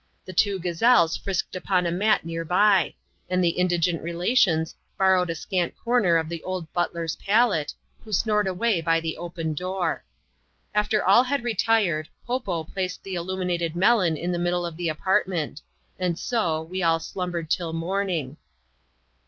The two gazelles frisked upon a mat near by ; and the indigent relations borrowed a scant comer of the old butler^s pallet, who snored away by the open door. After fill had retired, Po Po placed the illuminated melon in ike middle of the apartment ; and so, we all slumbered till morning.